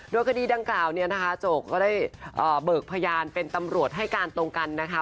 ด้วยคดีดังกล่าวโจ๊กก็ได้เบิกพยานเป็นตำรวจให้การตรงกัน